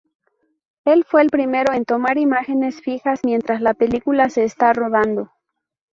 Él fue el primero en tomar imágenes fijas mientras la película se está rodando.